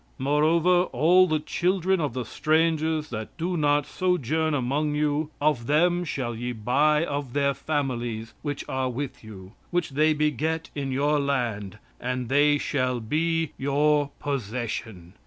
"Moreover, all the children of the strangers that do sojourn among you, of them shall ye buy of their families which are with you, which they beget in your land, and they shall be your possession.